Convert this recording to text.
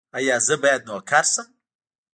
ایا زه باید نوکر شم؟